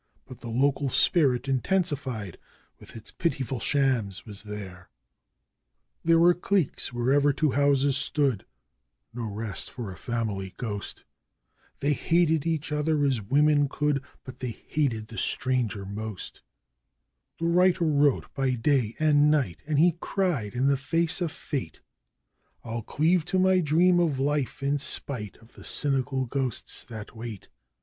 But the local spirit intensified with its pitiful shams was there; There were cliques wherever two houses stood (no rest for a family ghost!) They hated each other as women could but they hated the stranger most. The writer wrote by day and night and he cried in the face of Fate I'll cleave to my dream of life in spite of the cynical ghosts that wait.